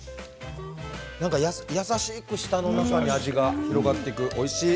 優しく舌の中に味が広がっていく、おいしい。